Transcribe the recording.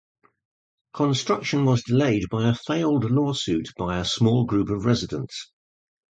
Construction was delayed by a failed lawsuit by a small group of residents.